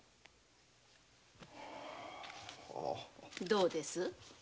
どうです。